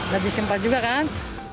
gak disimpa juga kan